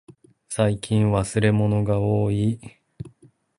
最近忘れ物がおおい。